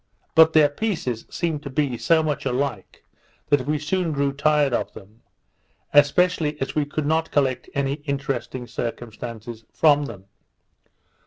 But their pieces seemed to be so much alike, that we soon grew tired of them; especially as we could not collect any interesting circumstances from them.